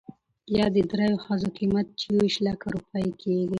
يا د درېو ښځو قيمت، چې يويشت لکه روپۍ کېږي .